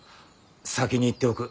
先に言っておく。